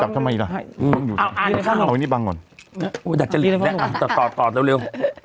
จับทำไมล่ะเอาอาจารย์ข้างหลังเอาไว้นี่บางก่อนอุ้ยดัดเจริญแล้วตอบตอบตอบเร็วเร็ว